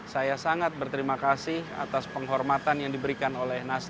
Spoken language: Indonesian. saya sangat berterima kasih atas penghormatan yang diberikan oleh nasdem